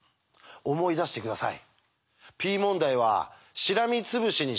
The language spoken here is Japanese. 思い出して下さい。